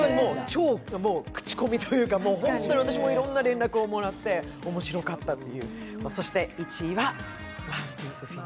超クチコミというか、本当に私もいろんな連絡をもらって面白かったという。